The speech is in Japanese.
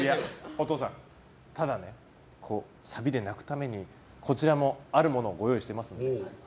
お父さん、ただねサビで泣くためにこちらも、あるものをご用意していますので。